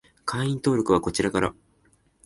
会員登録はこちらから